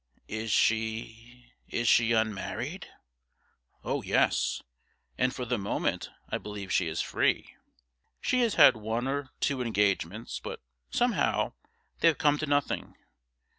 'Is she is she unmarried?' 'Oh, yes! and for the moment I believe she is free. She has had one or two engagements, but, somehow, they have come to nothing.